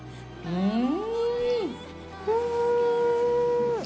うん。